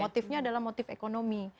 motifnya adalah motif ekonomi